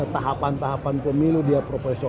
tahapan tahapan pemilu dia profesional